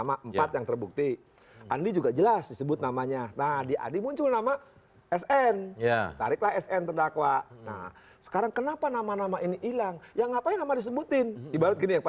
status yang lain akan bisa naik iya